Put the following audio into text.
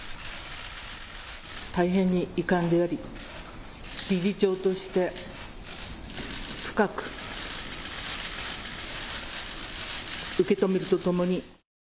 大変に遺憾であり理事長として深く受け止めるとともに。